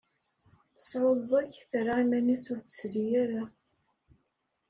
Tesεuẓẓeg, terra iman-is ur d-tesli ara.